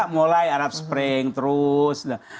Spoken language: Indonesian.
mulai arab spring terus